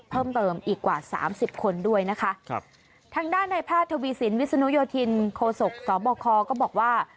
เพิ่มเติมอีกกว่าสามสิบคนด้วยนะคะครับทางด้านในแพทย์ทวีสินวิศนุโยธินโคศกสบคก็บอกว่า